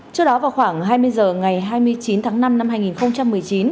trước đó vào khoảng hai mươi h ngày hai mươi chín tháng năm năm hai nghìn một mươi chín